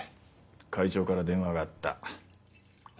会長から電話があった。